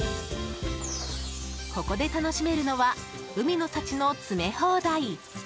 ここで楽しめるのは海の幸の詰め放題！